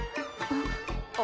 あ。